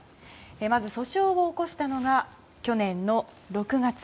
まず、訴訟を起こしたのが去年の６月。